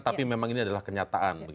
tapi memang ini adalah kenyataan